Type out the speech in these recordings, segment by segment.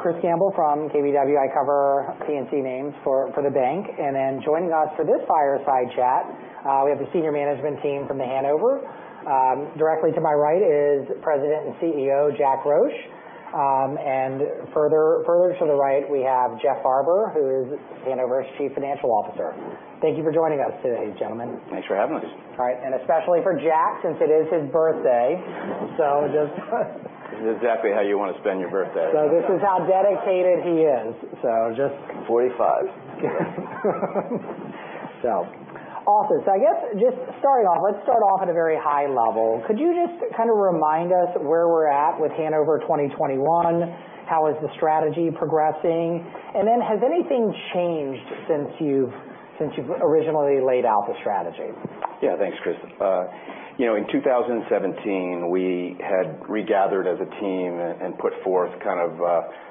Chris Campbell from KBW. I cover P&C names for the bank. Joining us for this fireside chat, we have the senior management team from The Hanover. Directly to my right is President and CEO Jack Roche. Further to the right, we have Jeff Farber, who is The Hanover's Chief Financial Officer. Thank you for joining us today, gentlemen. Thanks for having us. All right. Especially for Jack, since it is his birthday. This is exactly how you want to spend your birthday. This is how dedicated he is. 45. Awesome. I guess just starting off, let's start off at a very high level. Could you just kind of remind us where we're at with Hanover 2021? How is the strategy progressing? Has anything changed since you've originally laid out the strategy? Yeah. Thanks, Chris. In 2017, we had regathered as a team and put forth kind of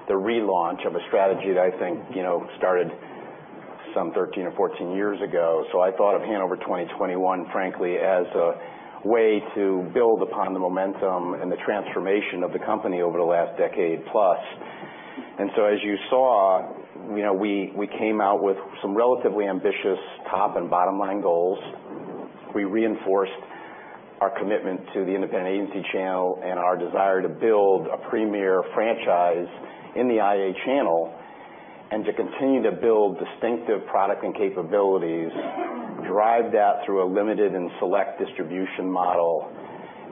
the relaunch of a strategy that I think started some 13 or 14 years ago. I thought of Hanover 2021, frankly, as a way to build upon the momentum and the transformation of the company over the last decade plus. As you saw, we came out with some relatively ambitious top and bottom-line goals. We reinforced our commitment to the independent agency channel and our desire to build a premier franchise in the IA channel and to continue to build distinctive product and capabilities, drive that through a limited and select distribution model,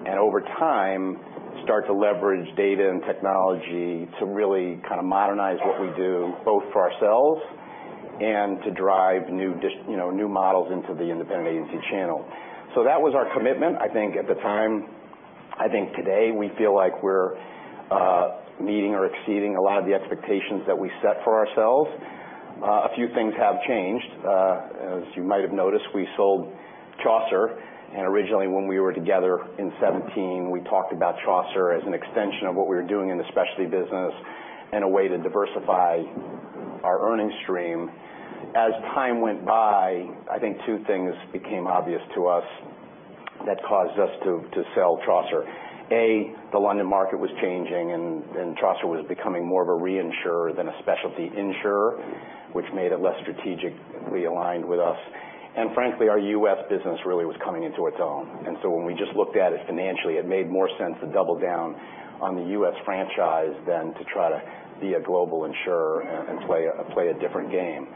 and over time, start to leverage data and technology to really kind of modernize what we do, both for ourselves and to drive new models into the independent agency channel. That was our commitment, I think, at the time. I think today we feel like we're meeting or exceeding a lot of the expectations that we set for ourselves. A few things have changed. As you might have noticed, we sold Chaucer, and originally when we were together in 2017, we talked about Chaucer as an extension of what we were doing in the specialty business and a way to diversify our earnings stream. As time went by, I think two things became obvious to us that caused us to sell Chaucer. A, the London market was changing and Chaucer was becoming more of a reinsurer than a specialty insurer, which made it less strategically aligned with us. Frankly, our U.S. business really was coming into its own. When we just looked at it financially, it made more sense to double down on the U.S. franchise than to try to be a global insurer and play a different game.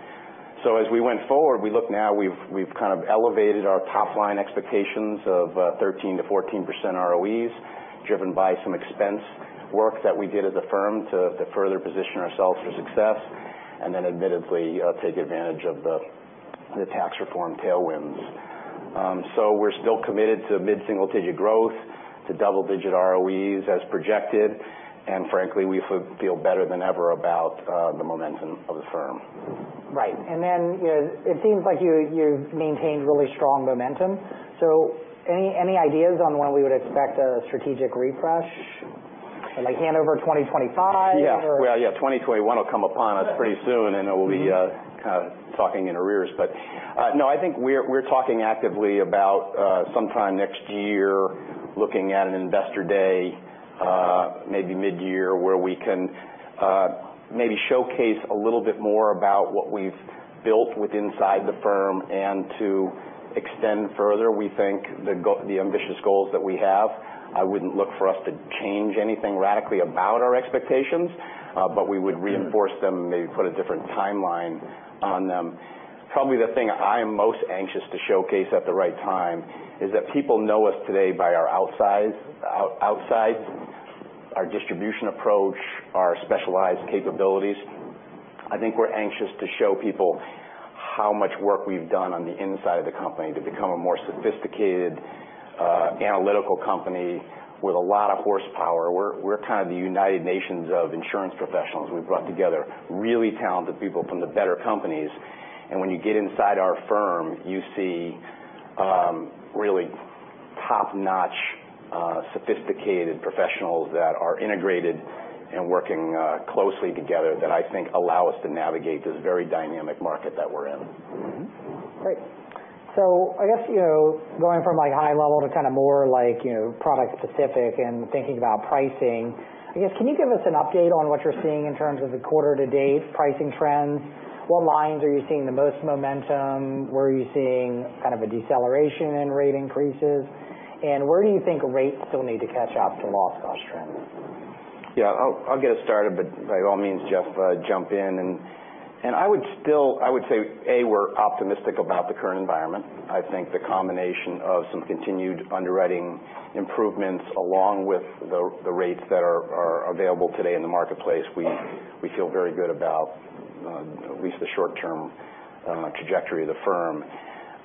As we went forward, we look now, we've kind of elevated our top-line expectations of 13%-14% ROEs driven by some expense work that we did as a firm to further position ourselves for success, and then admittedly take advantage of the tax reform tailwinds. We're still committed to mid-single-digit growth, to double-digit ROEs as projected, and frankly, we feel better than ever about the momentum of the firm. Right. It seems like you've maintained really strong momentum. Any ideas on when we would expect a strategic refresh, like Hanover 2025? Yeah. Well, yeah, 2021 will come upon us pretty soon, and it will be kind of talking in arrears. No, I think we're talking actively about sometime next year, looking at an investor day maybe mid-year where we can maybe showcase a little bit more about what we've built with inside the firm and to extend further, we think, the ambitious goals that we have. I wouldn't look for us to change anything radically about our expectations. We would reinforce them and maybe put a different timeline on them. Probably the thing I am most anxious to showcase at the right time is that people know us today by our outsides, our distribution approach, our specialized capabilities. I think we're anxious to show people how much work we've done on the inside of the company to become a more sophisticated analytical company with a lot of horsepower. We're kind of the United Nations of insurance professionals. We've brought together really talented people from the better companies, when you get inside our firm, you see really top-notch sophisticated professionals that are integrated and working closely together that I think allow us to navigate this very dynamic market that we're in. Great. I guess going from high level to kind of more product specific and thinking about pricing, I guess, can you give us an update on what you're seeing in terms of the quarter to date pricing trends? What lines are you seeing the most momentum? Where are you seeing kind of a deceleration in rate increases? Where do you think rates still need to catch up to loss cost trends? Yeah. I'll get us started. By all means, Jeff, jump in. I would say, A, we're optimistic about the current environment. I think the combination of some continued underwriting improvements along with the rates that are available today in the marketplace, we feel very good about at least the short-term trajectory of the firm.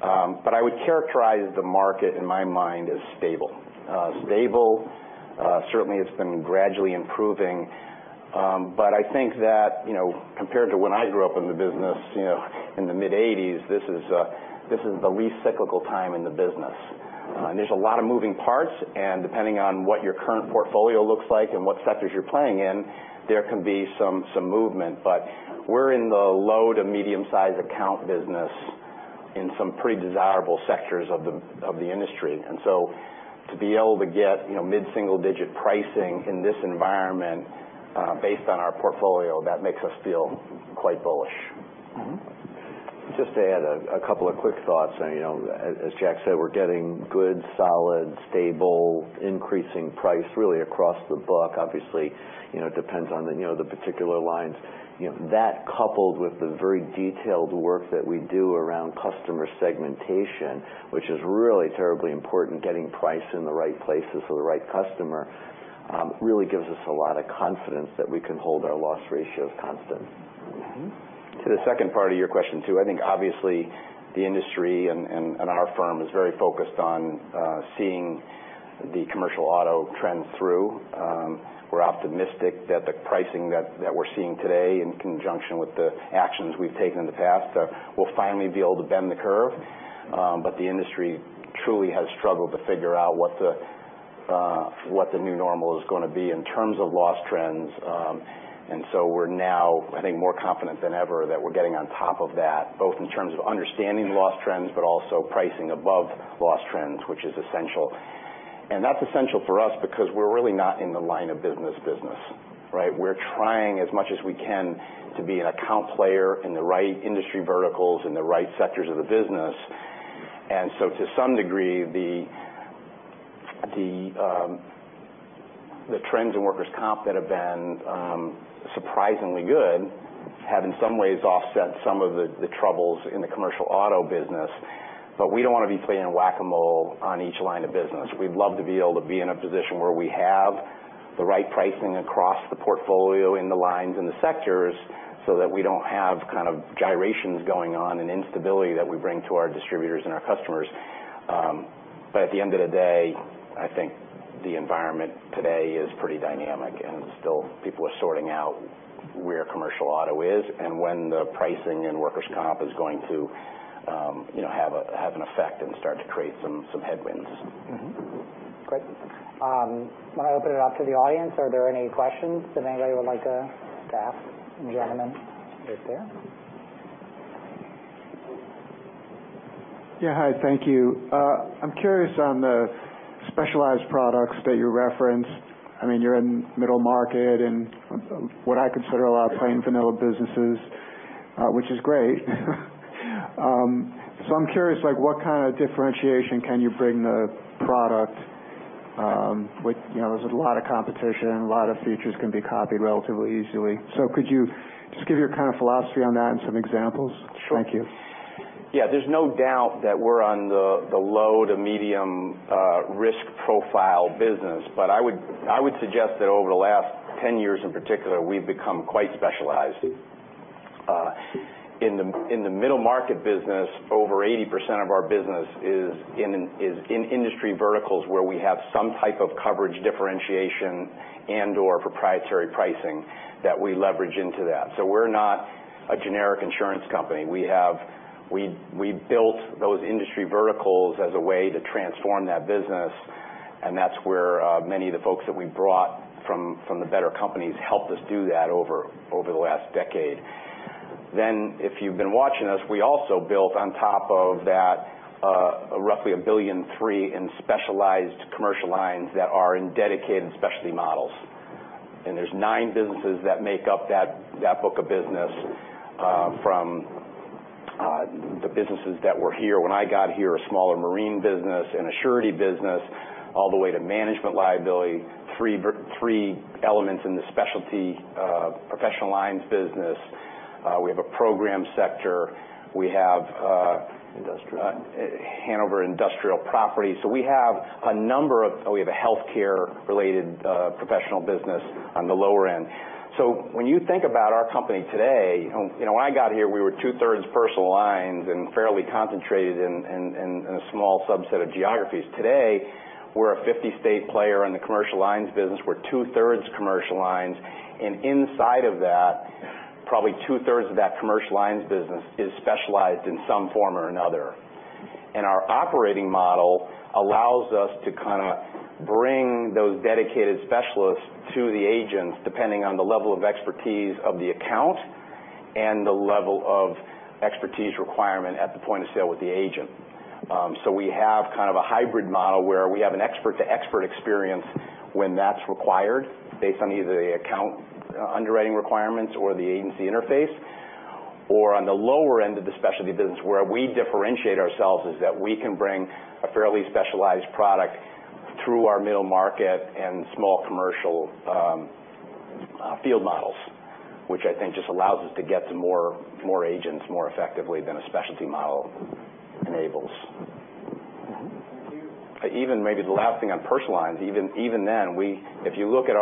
I would characterize the market in my mind as stable. Stable, certainly it's been gradually improving. I think that compared to when I grew up in the business in the mid-'80s, this is the least cyclical time in the business. There's a lot of moving parts, and depending on what your current portfolio looks like and what sectors you're playing in, there can be some movement. We're in the low to medium size account business In some pretty desirable sectors of the industry. To be able to get mid-single-digit pricing in this environment based on our portfolio, that makes us feel quite bullish. Just to add a couple of quick thoughts. As Jack said, we're getting good, solid, stable, increasing price, really across the book. Obviously, it depends on the particular lines. That coupled with the very detailed work that we do around customer segmentation, which is really terribly important, getting price in the right places for the right customer, really gives us a lot of confidence that we can hold our loss ratios constant. To the second part of your question, too, I think obviously the industry and our firm is very focused on seeing the commercial auto trend through. We're optimistic that the pricing that we're seeing today, in conjunction with the actions we've taken in the past, will finally be able to bend the curve. The industry truly has struggled to figure out what the new normal is going to be in terms of loss trends. We're now, I think, more confident than ever that we're getting on top of that, both in terms of understanding loss trends, but also pricing above loss trends, which is essential. That's essential for us because we're really not in the line of business business, right? We're trying as much as we can to be an account player in the right industry verticals, in the right sectors of the business. To some degree, the trends in workers' compensation that have been surprisingly good have in some ways offset some of the troubles in the commercial auto business. We don't want to be playing whack-a-mole on each line of business. We'd love to be able to be in a position where we have the right pricing across the portfolio in the lines and the sectors so that we don't have kind of gyrations going on and instability that we bring to our distributors and our customers. At the end of the day, I think the environment today is pretty dynamic and still people are sorting out where commercial auto is and when the pricing in workers' compensation is going to have an effect and start to create some headwinds. Great. I want to open it up to the audience. Are there any questions that anybody would like to ask the gentlemen right there? Yeah. Hi, thank you. I'm curious on the specialized products that you referenced. You're in middle market and what I consider a lot of plain vanilla businesses, which is great. I'm curious, what kind of differentiation can you bring the product? There's a lot of competition. A lot of features can be copied relatively easily. Could you just give your kind of philosophy on that and some examples? Sure. Thank you. There's no doubt that we're on the low to medium risk profile business. I would suggest that over the last 10 years in particular, we've become quite specialized. In the middle market business, over 80% of our business is in industry verticals where we have some type of coverage differentiation and/or proprietary pricing that we leverage into that. We're not a generic insurance company. We built those industry verticals as a way to transform that business, and that's where many of the folks that we brought from the better companies helped us do that over the last decade. If you've been watching us, we also built on top of that roughly $1.3 billion in specialized commercial lines that are in dedicated specialty models. There's nine businesses that make up that book of business, from the businesses that were here when I got here, a smaller Marine Insurance business and a surety business, all the way to management liability, three elements in the specialty professional lines business. We have a program sector. We have Hanover Specialty Industrial Property. We have a healthcare related professional business on the lower end. When you think about our company today, when I got here, we were two-thirds personal lines and fairly concentrated in a small subset of geographies. Today, we're a 50-state player in the commercial lines business. We're two-thirds commercial lines, and inside of that, probably two-thirds of that commercial lines business is specialized in some form or another. Our operating model allows us to kind of bring those dedicated specialists to the agents, depending on the level of expertise of the account and the level of expertise requirement at the point of sale with the agent. We have kind of a hybrid model where we have an expert-to-expert experience when that's required based on either the account underwriting requirements or the agency interface, or on the lower end of the specialty business, where we differentiate ourselves is that we can bring a fairly specialized product through our middle market and small commercial field models, which I think just allows us to get to more agents more effectively than a specialty model enables. Thank you. Even maybe the last thing on personal lines, even then, if you look at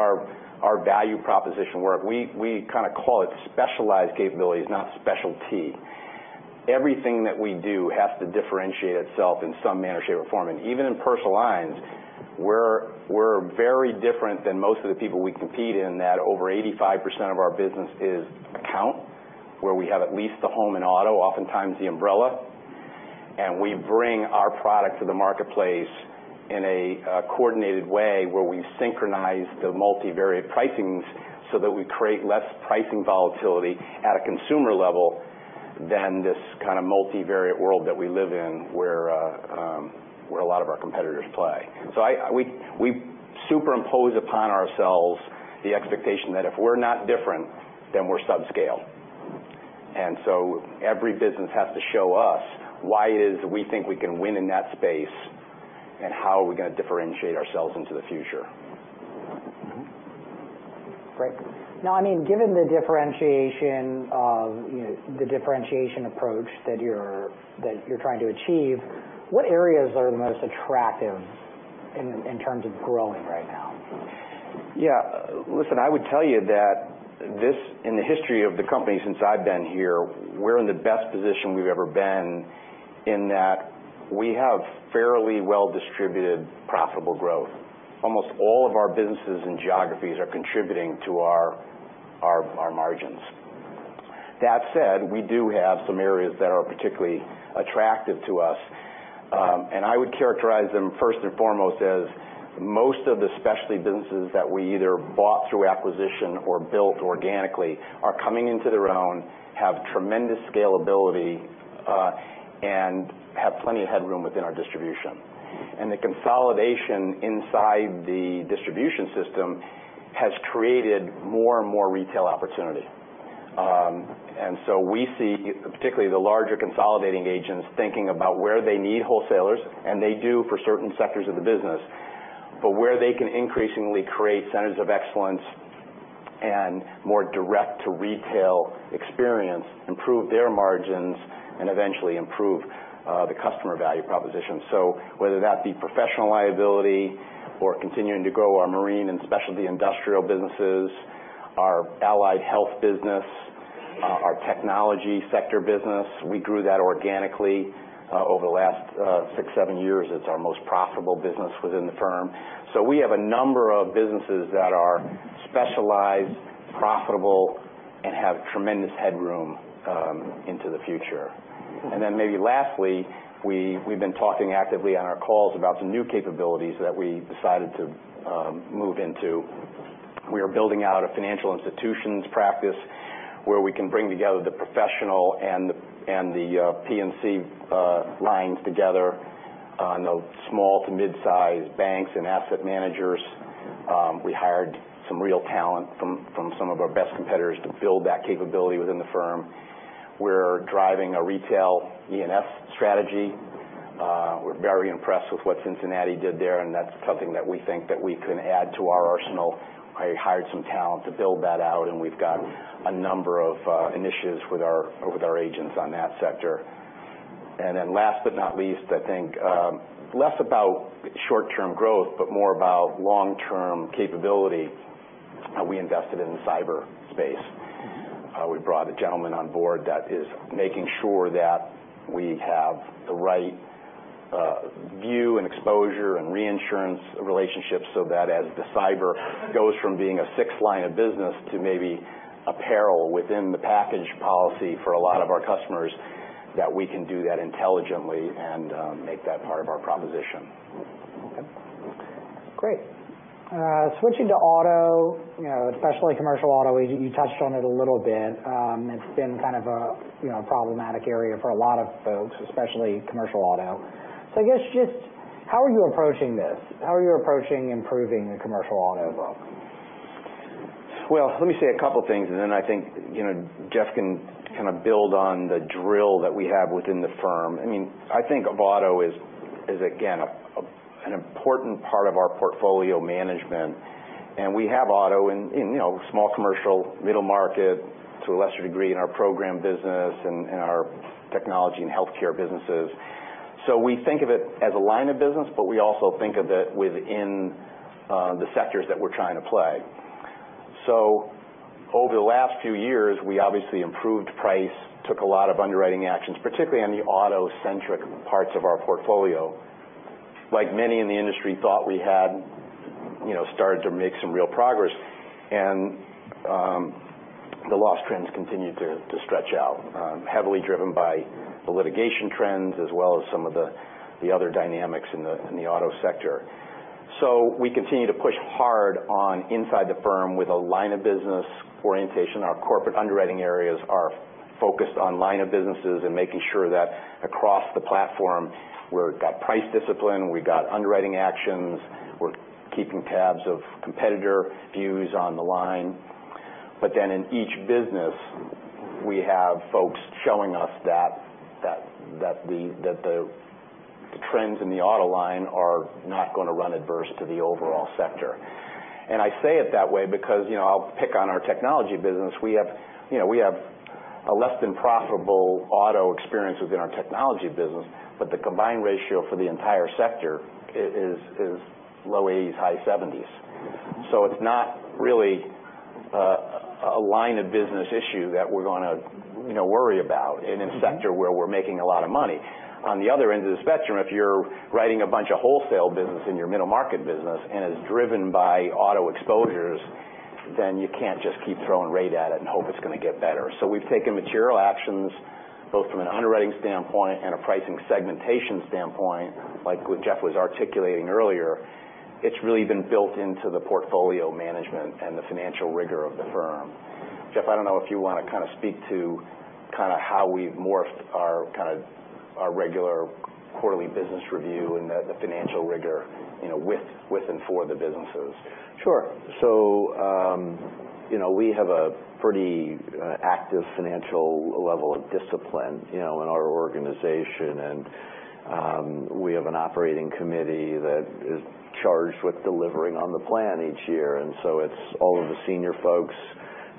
our value proposition work, we kind of call it specialized capabilities, not specialty. Everything that we do has to differentiate itself in some manner, shape, or form. Even in personal lines, we're very different than most of the people we compete in that over 85% of our business is account, where we have at least the home and auto, oftentimes the umbrella, and we bring our product to the marketplace In a coordinated way where we synchronize the multivariate pricings so that we create less pricing volatility at a consumer level than this kind of multivariate world that we live in where a lot of our competitors play. We superimpose upon ourselves the expectation that if we're not different, then we're subscale. Every business has to show us why it is we think we can win in that space, and how are we going to differentiate ourselves into the future. Great. Now, given the differentiation approach that you're trying to achieve, what areas are the most attractive in terms of growing right now? Yeah. Listen, I would tell you that in the history of the company since I've been here, we're in the best position we've ever been in that we have fairly well-distributed profitable growth. Almost all of our businesses and geographies are contributing to our margins. That said, we do have some areas that are particularly attractive to us. I would characterize them first and foremost as most of the specialty businesses that we either bought through acquisition or built organically are coming into their own, have tremendous scalability, and have plenty of headroom within our distribution. The consolidation inside the distribution system has created more and more retail opportunity. We see particularly the larger consolidating agents thinking about where they need wholesalers, and they do for certain sectors of the business. Where they can increasingly create centers of excellence and more direct-to-retail experience, improve their margins, and eventually improve the customer value proposition. Whether that be professional liability or continuing to grow our Marine and Specialty Industrial businesses, our Allied Health business, our technology sector business. We grew that organically over the last six, seven years. It's our most profitable business within the firm. We have a number of businesses that are specialized, profitable, and have tremendous headroom into the future. Maybe lastly, we've been talking actively on our calls about some new capabilities that we decided to move into. We are building out a financial institutions practice where we can bring together the professional and the P&C lines together on the small to mid-size banks and asset managers. We hired some real talent from some of our best competitors to build that capability within the firm. We're driving a retail E&S strategy. We're very impressed with what Cincinnati did there, and that's something that we think that we can add to our arsenal. I hired some talent to build that out, and we've got a number of initiatives with our agents on that sector. Last but not least, I think, less about short-term growth, but more about long-term capability, we invested in cyberspace. We brought a gentleman on board that is making sure that we have the right view and exposure and reinsurance relationships so that as the cyber goes from being a sixth line of business to maybe a peril within the package policy for a lot of our customers, that we can do that intelligently and make that part of our proposition. Okay. Great. Switching to auto, especially commercial auto, you touched on it a little bit. It's been kind of a problematic area for a lot of folks, especially commercial auto. I guess just how are you approaching this? How are you approaching improving the commercial auto book? Let me say a couple things, and then I think Jeff can kind of build on the drill that we have within the firm. I think of auto as again, an important part of our portfolio management, and we have auto in small commercial, middle market, to a lesser degree in our program business, and in our technology and healthcare businesses. We think of it as a line of business, but we also think of it within the sectors that we're trying to play. Over the last few years, we obviously improved price, took a lot of underwriting actions, particularly on the auto-centric parts of our portfolio. Like many in the industry thought we had started to make some real progress, and the loss trends continued to stretch out. Heavily driven by the litigation trends, as well as some of the other dynamics in the auto sector. We continue to push hard on inside the firm with a line of business orientation. Our corporate underwriting areas are focused on line of businesses and making sure that across the platform, we've got price discipline, we've got underwriting actions, we're keeping tabs of competitor views on the line. In each business, we have folks showing us that the trends in the auto line are not going to run adverse to the overall sector. I say it that way because I'll pick on our technology business. We have a less than profitable auto experience within our technology business, but the combined ratio for the entire sector is low 80s, high 70s. It's not really a line of business issue that we're going to worry about in a sector where we're making a lot of money. On the other end of the spectrum, if you're writing a bunch of wholesale business in your middle market business, and it's driven by auto exposures, then you can't just keep throwing rate at it and hope it's going to get better. We've taken material actions Both from an underwriting standpoint and a pricing segmentation standpoint, like what Jeff was articulating earlier, it's really been built into the portfolio management and the financial rigor of the firm. Jeff, I don't know if you want to speak to how we've morphed our regular quarterly business review and the financial rigor with and for the businesses. Sure. We have a pretty active financial level of discipline in our organization, and we have an operating committee that is charged with delivering on the plan each year. It's all of the senior folks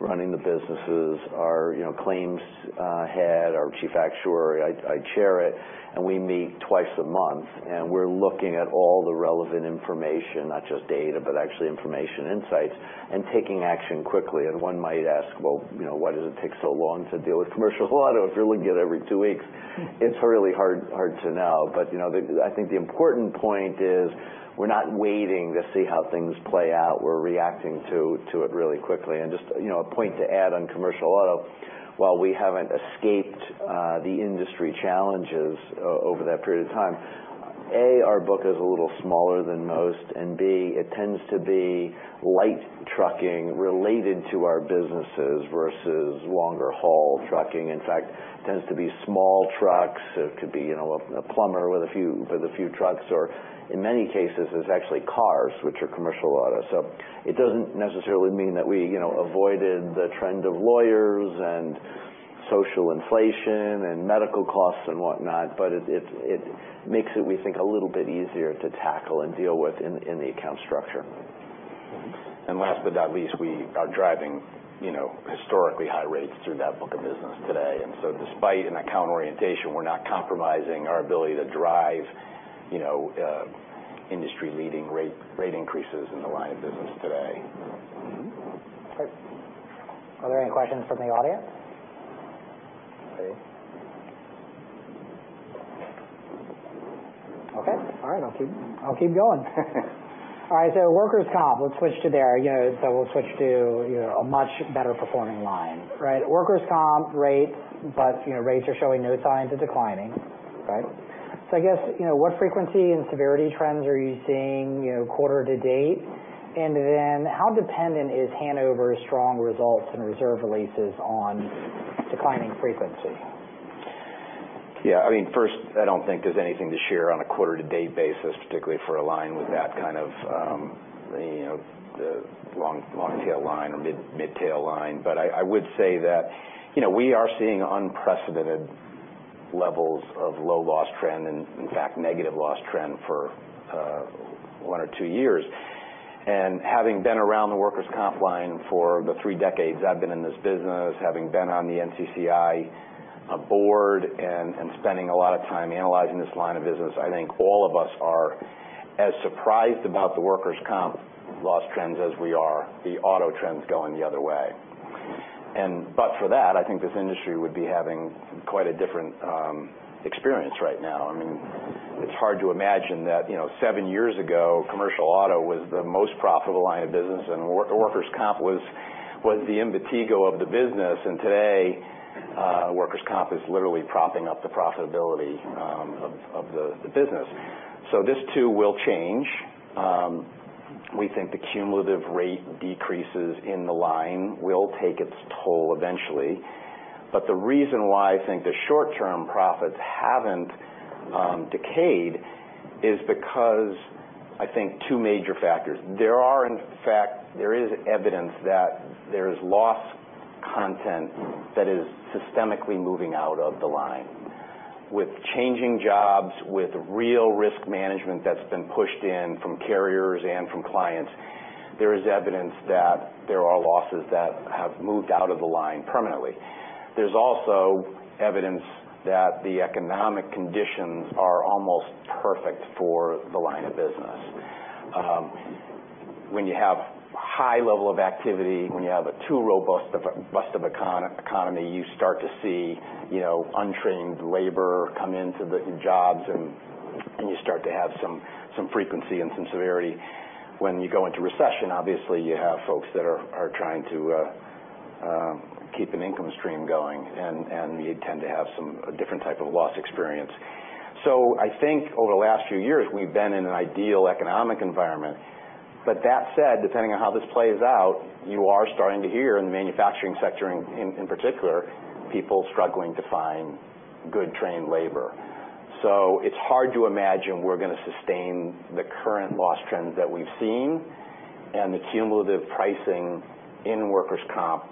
running the businesses, our claims head, our chief actuary, I chair it, and we meet twice a month. We're looking at all the relevant information, not just data, but actually information insights, and taking action quickly. One might ask, well, why does it take so long to deal with commercial auto if you're looking at it every two weeks? It's really hard to know. I think the important point is we're not waiting to see how things play out. We're reacting to it really quickly. Just a point to add on commercial auto, while we haven't escaped the industry challenges over that period of time, A, our book is a little smaller than most, and B, it tends to be light trucking related to our businesses versus longer haul trucking. In fact, tends to be small trucks. It could be a plumber with a few trucks or in many cases, it's actually cars, which are commercial auto. It doesn't necessarily mean that we avoided the trend of lawyers and social inflation and medical costs and whatnot, but it makes it, we think, a little bit easier to tackle and deal with in the account structure. Last but not least, we are driving historically high rates through that book of business today. Despite an account orientation, we're not compromising our ability to drive industry-leading rate increases in the line of business today. Great. Are there any questions from the audience? Okay. All right. I'll keep going. Workers' compensation, let's switch to there. We'll switch to a much better performing line. Right. Workers' comp rates are showing no signs of declining. Right? What frequency and severity trends are you seeing quarter to date? And then how dependent is Hanover's strong results and reserve releases on declining frequency? First, I don't think there's anything to share on a quarter-to-date basis, particularly for a line with that kind of long tail line or mid tail line. I would say that we are seeing unprecedented levels of low loss trend, and in fact, negative loss trend for one or two years. Having been around the workers' comp line for the three decades I've been in this business, having been on the NCCI board and spending a lot of time analyzing this line of business, I think all of us are as surprised about the workers' comp loss trends as we are the auto trends going the other way. For that, I think this industry would be having quite a different experience right now. It's hard to imagine that seven years ago, commercial auto was the most profitable line of business, workers' comp was the anathema of the business. Today, workers' comp is literally propping up the profitability of the business. This, too, will change. We think the cumulative rate decreases in the line will take its toll eventually. The reason why I think the short-term profits haven't decayed is because, I think, two major factors. There is evidence that there's loss control that is systemically moving out of the line. With changing jobs, with real risk management that's been pushed in from carriers and from clients, there is evidence that there are losses that have moved out of the line permanently. There's also evidence that the economic conditions are almost perfect for the line of business. When you have high level of activity, when you have a too robust of an economy, you start to see untrained labor come into the jobs, and you start to have some frequency and some severity. When you go into recession, obviously, you have folks that are trying to keep an income stream going, and you tend to have a different type of loss experience. I think over the last few years, we've been in an ideal economic environment. That said, depending on how this plays out, you are starting to hear, in the manufacturing sector in particular, people struggling to find good trained labor. It's hard to imagine we're going to sustain the current loss trends that we've seen, the cumulative pricing in workers' comp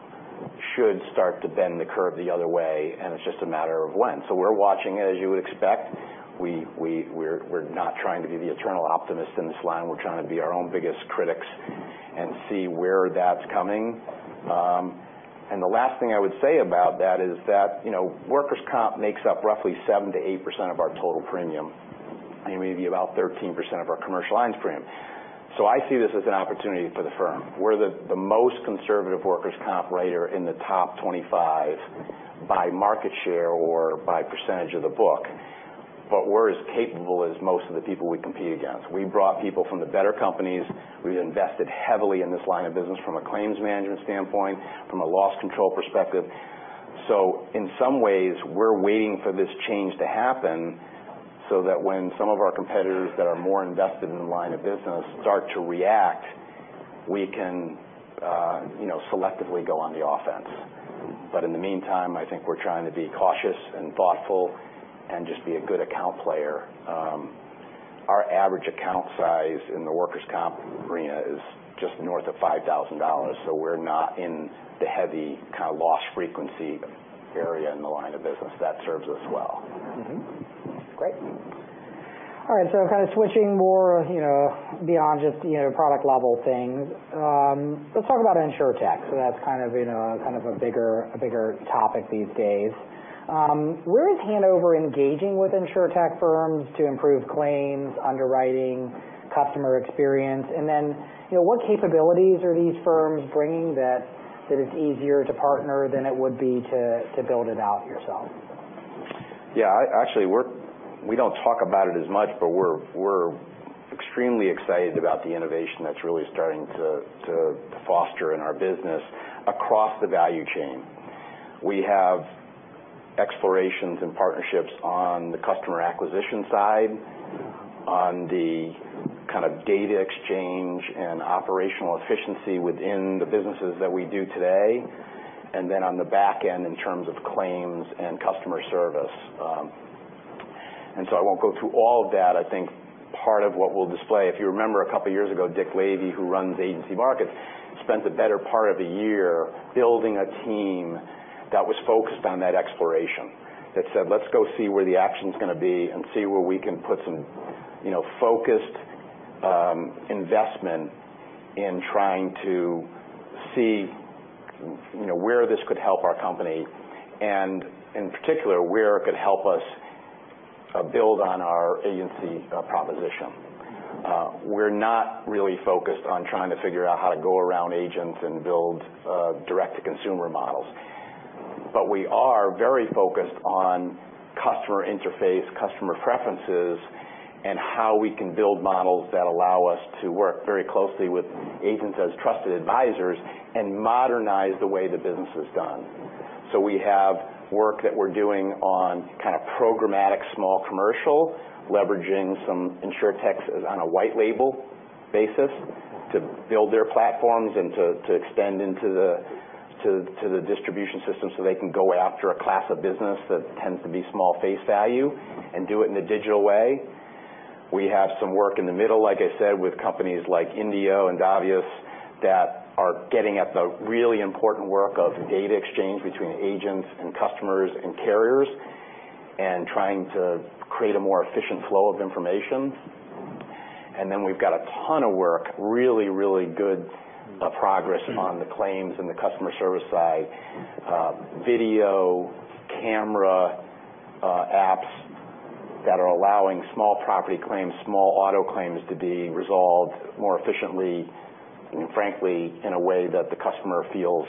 should start to bend the curve the other way, and it's just a matter of when. We're watching it, as you would expect. We're not trying to be the eternal optimists in this line. We're trying to be our own biggest critics and see where that's coming. The last thing I would say about that is that workers' comp makes up roughly 7%-8% of our total premium, and maybe about 13% of our commercial lines premium. I see this as an opportunity for the firm. We're the most conservative workers' comp writer in the top 25 by market share or by percentage of the book. We're as capable as most of the people we compete against. We've brought people from the better companies. We've invested heavily in this line of business from a claims management standpoint, from a loss control perspective. In some ways, we're waiting for this change to happen so that when some of our competitors that are more invested in the line of business start to react, we can selectively go on the offense. In the meantime, I think we're trying to be cautious and thoughtful and just be a good account player. Our average account size in the workers' comp arena is just north of $5,000. We're not in the heavy kind of loss frequency area in the line of business. That serves us well. Great. All right, kind of switching more beyond just product level things. Let's talk about Insurtech. That's kind of a bigger topic these days. Where is Hanover engaging with Insurtech firms to improve claims, underwriting, customer experience? What capabilities are these firms bringing that it's easier to partner than it would be to build it out yourself? Actually, we don't talk about it as much, but we're extremely excited about the innovation that's really starting to foster in our business across the value chain. We have explorations and partnerships on the customer acquisition side, on the kind of data exchange and operational efficiency within the businesses that we do today, on the back end in terms of claims and customer service. I won't go through all of that. I think part of what we'll display, if you remember a couple of years ago, Dick Lavey, who runs agency markets, spent the better part of a year building a team that was focused on that exploration. That said, "Let's go see where the action's going to be and see where we can put some focused investment in trying to see where this could help our company, and in particular, where it could help us build on our agency proposition." We're not really focused on trying to figure out how to go around agents and build direct-to-consumer models. We are very focused on customer interface, customer preferences, and how we can build models that allow us to work very closely with agents as trusted advisors and modernize the way the business is done. We have work that we're doing on kind of programmatic small commercial, leveraging some Insurtechs on a white label basis to build their platforms and to extend into the distribution system so they can go after a class of business that tends to be small face value and do it in a digital way. We have some work in the middle, like I said, with companies like Indio and Davies, that are getting at the really important work of data exchange between agents and customers and carriers, and trying to create a more efficient flow of information. We've got a ton of work, really, really good progress on the claims and the customer service side. Video camera apps that are allowing small property claims, small auto claims to be resolved more efficiently, frankly, in a way that the customer feels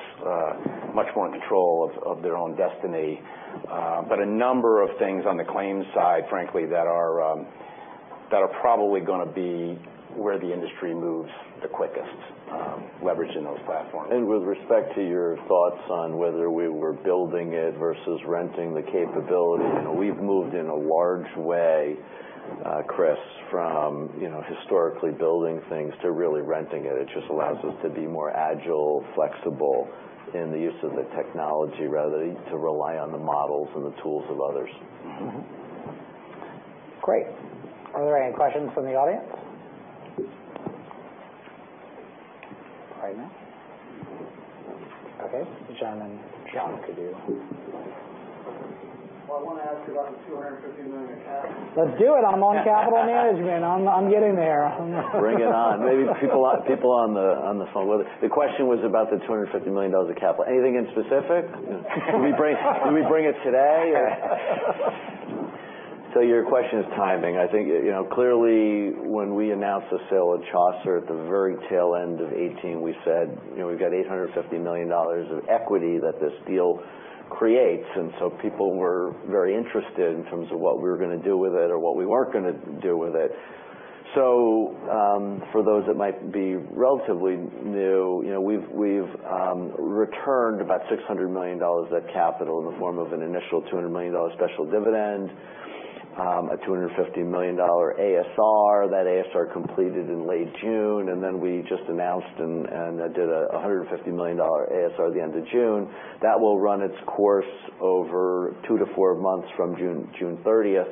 much more in control of their own destiny. A number of things on the claims side, frankly, that are probably going to be where the industry moves the quickest, leveraging those platforms. With respect to your thoughts on whether we were building it versus renting the capability, we've moved in a large way, Chris, from historically building things to really renting it. It just allows us to be more agile, flexible in the use of the technology rather than to rely on the models and the tools of others. Great. Are there any questions from the audience? Right now? Okay. John. I want to ask you about the $250 million of capital. Let's do it. I'm on capital management. I'm getting there. Bring it on. Maybe people on the phone. The question was about the $250 million of capital. Anything in specific? No. Can we bring it today or? Your question is timing. I think clearly when we announced the sale of Chaucer at the very tail end of 2018, we said we've got $850 million of equity that this deal creates. People were very interested in terms of what we were going to do with it or what we weren't going to do with it. For those that might be relatively new, we've returned about $600 million of that capital in the form of an initial $200 million special dividend, a $250 million ASR. That ASR completed in late June. Then we just announced and did $150 million ASR at the end of June. That will run its course over two to four months from June 30th.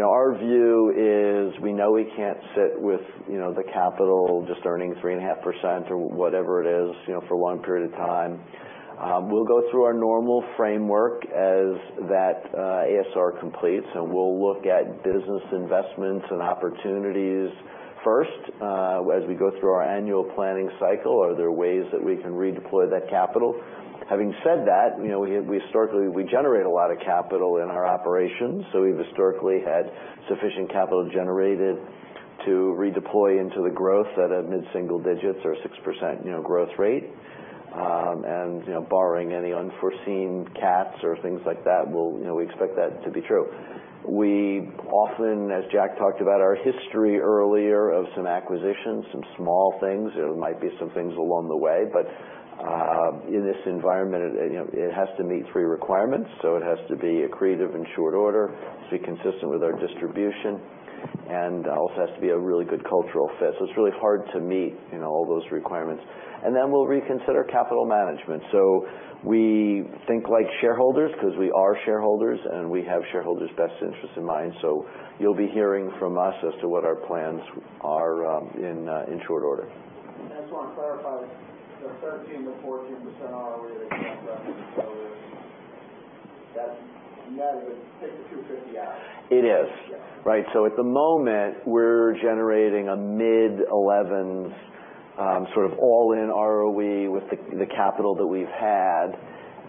Our view is we know we can't sit with the capital just earning 3.5% or whatever it is for a long period of time. We'll go through our normal framework as that ASR completes, and we'll look at business investments and opportunities first as we go through our annual planning cycle. Are there ways that we can redeploy that capital? Having said that, historically, we generate a lot of capital in our operations, so we've historically had sufficient capital generated To redeploy into the growth at a mid-single digits or 6% growth rate. Borrowing any unforeseen catastrophes or things like that, we expect that to be true. We often, as Jack talked about our history earlier of some acquisitions, some small things, there might be some things along the way. In this environment, it has to meet three requirements. It has to be accretive in short order, has to be consistent with our distribution, and also has to be a really good cultural fit. It's really hard to meet all those requirements. Then we'll reconsider capital management. We think like shareholders because we are shareholders, and we have shareholders' best interests in mind. You'll be hearing from us as to what our plans are in short order. I just want to clarify, the 13%-14% ROE that you referenced earlier, that net of take the 250 out? It is. Yeah. Right. At the moment, we're generating a mid-11 sort of all-in ROE with the capital that we've had,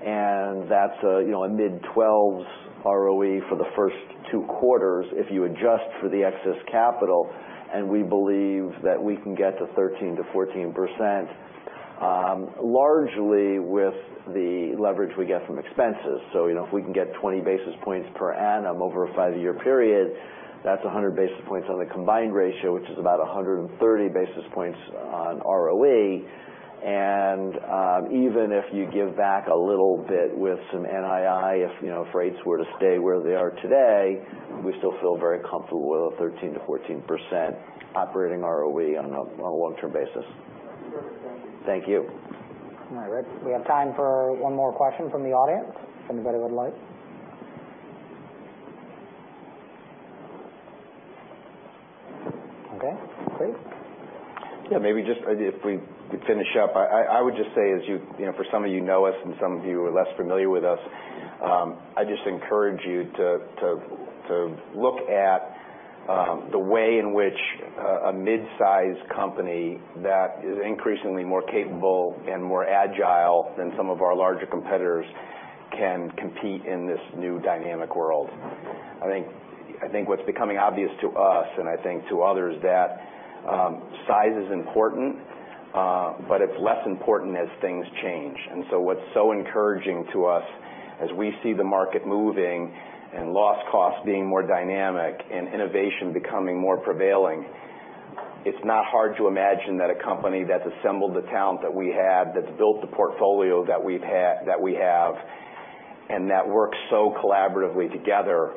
and that's a mid-12 ROE for the first two quarters if you adjust for the excess capital, and we believe that we can get to 13%-14%, largely with the leverage we get from expenses. If we can get 20 basis points per annum over a five-year period, that's 100 basis points on the combined ratio, which is about 130 basis points on ROE. Even if you give back a little bit with some NII, if rates were to stay where they are today, we still feel very comfortable with a 13%-14% operating ROE on a long-term basis. Perfect. Thank you. Thank you. All right, Dick. We have time for one more question from the audience, if anybody would like. Okay, great. Yeah, maybe just if we could finish up. I would just say, for some of you know us and some of you are less familiar with us, I'd just encourage you to look at the way in which a midsize company that is increasingly more capable and more agile than some of our larger competitors can compete in this new dynamic world. I think what's becoming obvious to us, and I think to others that size is important, but it's less important as things change. What's so encouraging to us as we see the market moving and loss costs being more dynamic and innovation becoming more prevailing, it's not hard to imagine that a company that's assembled the talent that we have, that's built the portfolio that we have, and that works so collaboratively together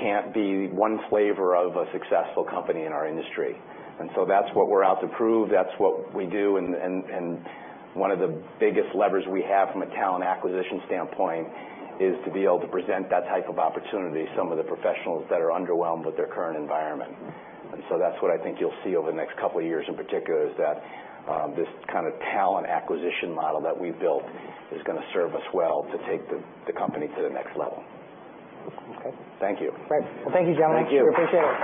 can't be one flavor of a successful company in our industry. That's what we're out to prove. That's what we do. One of the biggest levers we have from a talent acquisition standpoint is to be able to present that type of opportunity to some of the professionals that are underwhelmed with their current environment. That's what I think you'll see over the next couple of years in particular, is that this kind of talent acquisition model that we've built is going to serve us well to take the company to the next level. Okay. Thank you. Great. Well, thank you, gentlemen. Thank you. Appreciate it.